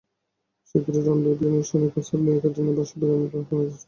শিগগিরই রণবীর বিয়ের আনুষ্ঠানিক প্রস্তাব নিয়ে ক্যাটরিনার বাসায় যাবেন বলে শোনা যাচ্ছে।